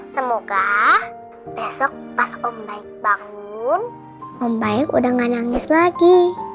semoga besok pas om baik bangun om baik udah gak nangis lagi